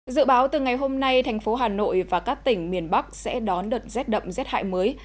dự báo từ ngày hôm nay thành phố hà nội và các tỉnh miền bắc sẽ đón đợt rét đậm rét hại mới